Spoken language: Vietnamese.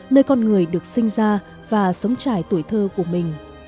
nơi con người được sinh ra và sống trải tuổi thơ của mình